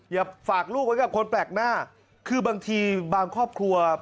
อยากฝากลูกไว้กับคนแปลกหน้าคือบางทีบางครอบครัว